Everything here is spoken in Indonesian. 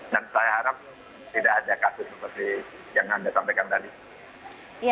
dan saya harap tidak ada kasus seperti yang anda sampaikan tadi